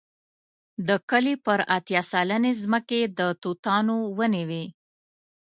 د کلي پر اتیا سلنې ځمکې د توتانو ونې وې.